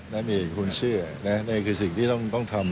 นั่นเองคือสิ่งที่ต้องทำ